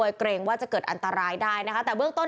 แต่ว่าไม่สามารถผ่านเข้าไปที่บริเวณถนน